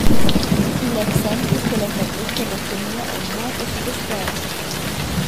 Igl exempel culla fabrica da chemia ei nuota schi dasperas.